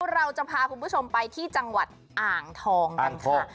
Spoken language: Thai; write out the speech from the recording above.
เราจะพาคุณผู้ชมไปที่จังหวัดอ่างทองกันค่ะ